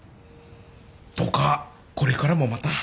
どうかこれからもまた。